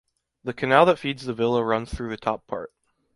The canal that feeds the villa runs through the top part.